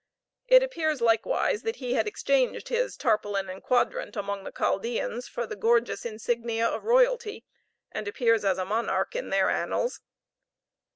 It appears, likewise, that he had exchanged his tarpaulin and quadrant among the Chaldeans for the gorgeous insignia of royalty, and appears as a monarch in their annals.